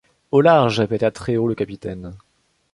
Au large! répéta très haut le capitaine.